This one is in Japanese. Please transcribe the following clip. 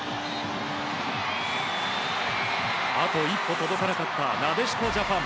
あと一歩届かなかったなでしこジャパン。